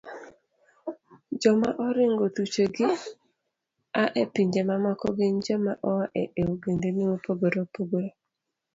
Joma oringo thuchegi a e pinje mamoko gin joma oa e ogendni mopogore opogore.